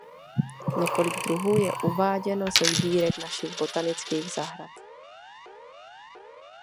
Několik druhů je uváděno ze sbírek našich botanických zahrad.